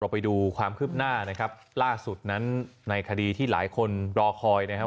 ไปดูความคืบหน้านะครับล่าสุดนั้นในคดีที่หลายคนรอคอยนะครับ